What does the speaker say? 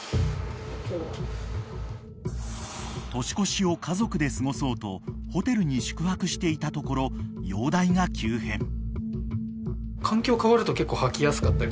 ［年越しを家族で過ごそうとホテルに宿泊していたところ容体が急変］